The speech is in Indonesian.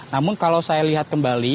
namun kalau saya lihat kembali